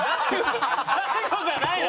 大悟じゃないの？